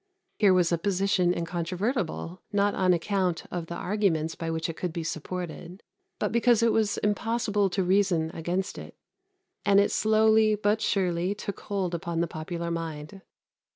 Here was a position incontrovertible, not on account of the arguments by which it could be supported, but because it was impossible to reason against it; and it slowly, but surely, took hold upon the popular mind.